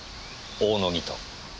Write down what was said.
大野木と。